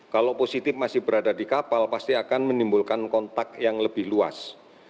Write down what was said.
kalau positif masih berada di kapal pasti akan menimbulkan kontak yang lebih luas